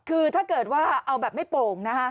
คือถ้าเกิดว่าเอาแบบไม่โป่งนะฮะ